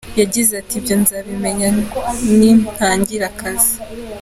Yagize ati “Ibyo nzabimenya nintangira akazi.